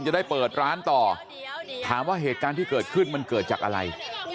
จะได้เปิดร้านต่อถามว่าเหตุการณ์ที่เกิดขึ้นมันเกิดจากอะไร